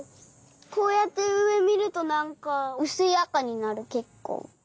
こうやってうえみるとなんかうすいあかになるけっこう。